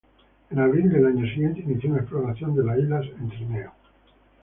En abril del año siguiente inició una exploración de la isla en trineo.